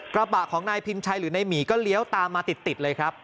กระบะของนายพิมชัยหรือนายหมีก็เลี้ยวตามมาติดเลยครับ